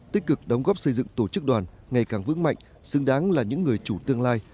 tích cực đóng góp xây dựng tổ chức đoàn ngày càng vững mạnh xứng đáng là những người chủ tương lai